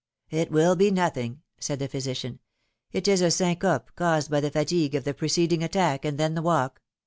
'^It will be nothing," said the physician. ^^It is a syncope, caused by the fatigue of the preceding attack, and then the walk